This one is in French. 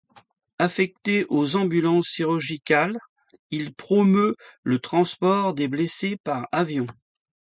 Affecté aux ambulances chirurgicales, il promeut le transport des blessés par avion.